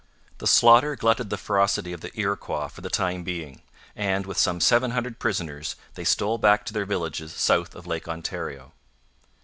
The slaughter glutted the ferocity of the Iroquois for the time being; and, with some seven hundred prisoners, they stole back to their villages south of Lake Ontario.